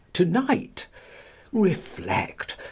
tonight? Reflect.